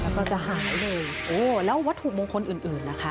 แล้วก็จะหายเลยโอ้แล้ววัตถุมงคลอื่นอื่นนะคะ